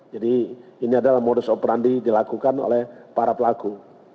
jadi ini adalah modus operandi dilakukan oleh para pelaku